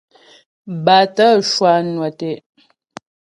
Bátə̀ cwànwə̀ tə'.